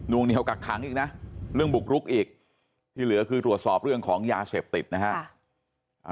วงเหนียวกักขังอีกนะเรื่องบุกรุกอีกที่เหลือคือตรวจสอบเรื่องของยาเสพติดนะฮะ